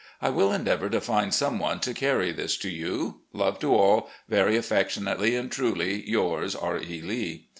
I will endeavour to find some one to carry this to you. Love to all. "Very affectionately and truly yours, "R. E. Lek."